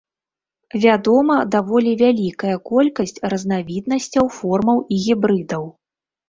Вядома даволі вялікая колькасць разнавіднасцяў, формаў і гібрыдаў.